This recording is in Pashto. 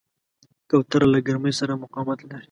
کوتره له ګرمۍ سره مقاومت لري.